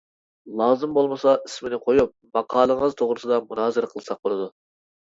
لازىم بولمىسا، ئىسىمنى قويۇپ، ماقالىڭىز توغرىسىدا مۇنازىرە قىلساق بولىدۇ.